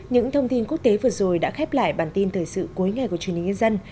những thông tin quốc tế vừa rồi đã khép lại bản tin thời sự cuối ngày của truyền hình nhân dân